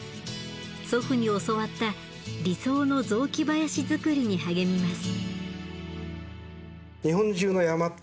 祖父に教わった理想の雑木林づくりに励みます。